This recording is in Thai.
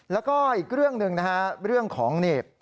แล้วก็อีกเรื่องหนึ่งนะฮะเรื่องของนี่